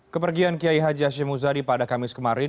kepergian kiai haji hashim muzadi pada kamis kemarin